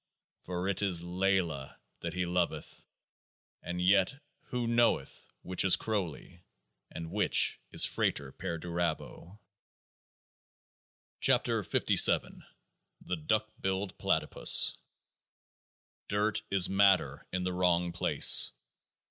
For it is LAYLAH that he loveth And yet who knoweth which is Crowley, and which is FRATER PERDURABO? 71 KEOAAH NZ THE DUCK BILLED PLATYPUS Dirt is matter in the wrong place.